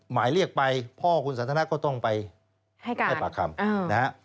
หมายเรียกไปพ่อคุณสันทนาก็ต้องไปให้ปากคำนะฮะ